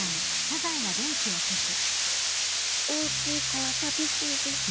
大きい子は寂しいです